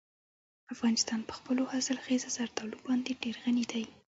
افغانستان په خپلو حاصلخیزه زردالو باندې ډېر غني دی.